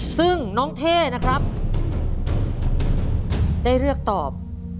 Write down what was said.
ซึ่งน้องเท่นะครับได้เลือกตอบ